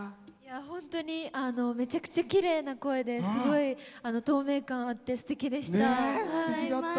本当にめちゃくちゃきれいな声ですごい透明感あってすてきでした。